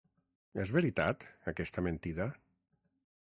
És veritat aquesta mentida?